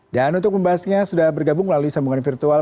dan untuk pembahasannya sudah bergabung melalui sambungan virtual